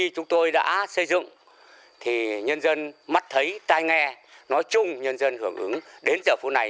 chúng tôi đã xây dựng thì nhân dân mắt thấy tai nghe nói chung nhân dân hưởng ứng đến giờ phút này